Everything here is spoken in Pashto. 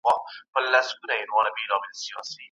موږ ته مو قسمت پیالې نسکوري کړې د میو